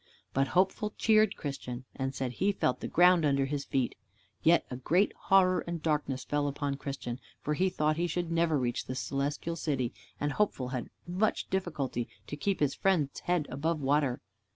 But Hopeful cheered Christian, and said he felt the ground under his feet. Yet a great horror and darkness fell upon Christian, for he thought he should never reach the Celestial City, and Hopeful had much difficulty to keep his friend's head above water.